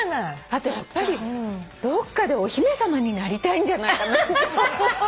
あとやっぱりどっかでお姫さまになりたいんじゃないかなって。